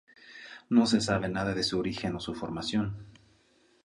No se sabe nada de su origen o su formación.